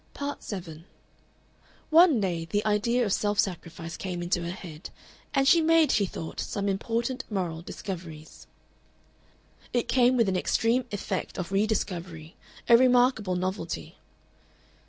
Part 7 One day the idea of self sacrifice came into her head, and she made, she thought, some important moral discoveries. It came with an extreme effect of re discovery, a remarkable novelty.